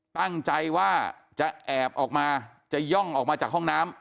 ตั้งใจว่าจะแอบออกมาจะย่องออกมาจากห้องน้ำ